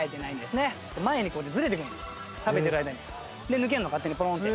抜けるの勝手にポロンって。